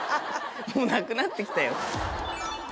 もうなくなってきたよ。